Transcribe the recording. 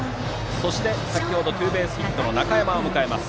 そして、先程ツーベースヒットの中山を迎えます。